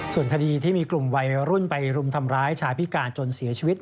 ส่วนคดีที่มีกลุ่มวัยรุ่นไปรุมทำร้ายชายพิการจนเสียชีวิต